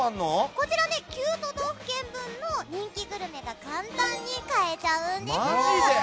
こちら９都道府県分の人気グルメが簡単に買えちゃうんです！